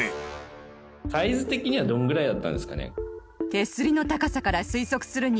手すりの高さから推測するに。